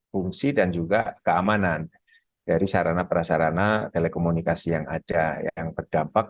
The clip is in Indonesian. fungsi dan juga keamanan dari sarana prasarana telekomunikasi yang ada yang terdampak